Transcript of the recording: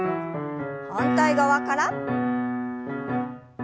反対側から。